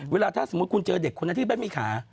เวลาถ้าสมมุติคุณเจอเด็กคนนั้นที่ไม่มีขา